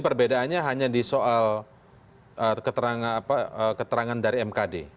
perbedaannya hanya di soal keterangan dari mkd